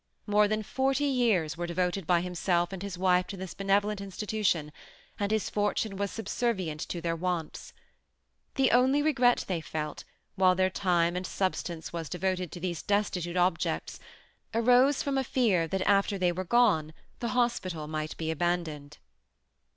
More than forty years were devoted by himself and his wife to this benevolent institution, and his fortune was subservient to their wants. The only regret they felt, while their time and substance was devoted to these destitute objects, arose from a fear that after they were gone the Hospital might be abandoned."